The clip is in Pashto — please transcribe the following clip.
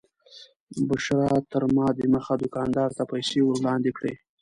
بشرا تر ما دمخه دوکاندار ته پیسې ور وړاندې کړې.